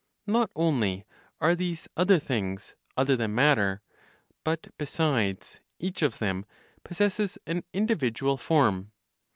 Not only are these other things other than matter, but besides each of them possesses an individual form.